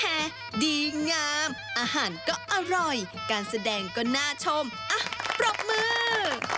ดีงามอาหารก็อร่อยการแสดงก็น่าชมอ่ะปรบมือ